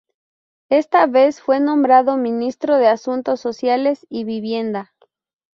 Esta vez fue nombrado Ministro de Asuntos Sociales y Vivienda.